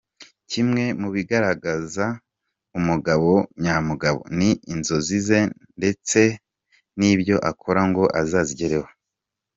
Kimwe mu bigaragaza umugabo nyamugabo, ni inzozi ze ndetse n’ibyo akora ngo azazigereho.